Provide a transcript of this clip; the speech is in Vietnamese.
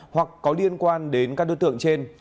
hoặc có liên quan đến các đối tượng trên